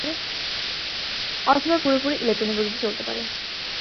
অথবা পুরোপুরি ইলেকট্রনিক গতি দিয়ে চলতে পারে।